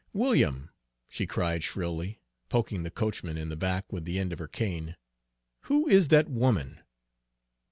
"William," she cried shrilly, poking the coachman in the back with the end of her cane, "who is that woman?"